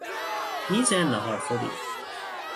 میز ناهار خوری